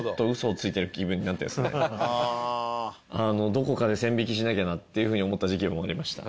どこかで線引きしなきゃなっていう風に思った時期もありました。